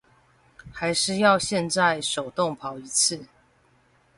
還是要現在手動跑一次